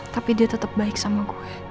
tapi dia tetap baik sama gue